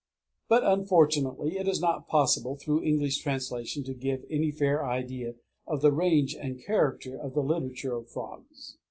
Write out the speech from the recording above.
But unfortunately it is not possible through English translation to give any fair idea of the range and character of the literature of frogs.